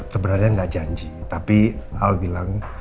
sebenarnya gak janji tapi al bilang